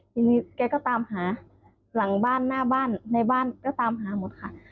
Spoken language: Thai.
ทีนี้แกก็ตามหาหลังบ้านหน้าบ้านในบ้านก็ตามหาหมดค่ะ